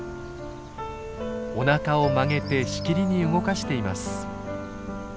おなかを曲げてしきりに動かしています。